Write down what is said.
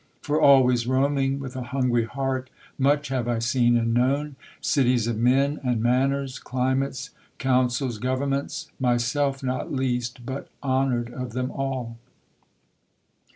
"For always roaming with a hungry heart Much have I seen and known: cities of men, And manners, climates, councils, governments, Myself not least, but honour'd of them all."